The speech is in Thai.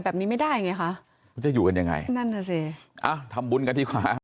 ก็ไม่ได้ทำอะไรก็ไม่มีอะไรกัน